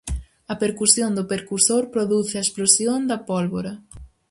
A percusión do percusor produce a explosión da pólvora.